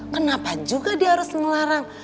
kenapa juga dia harus ngelarang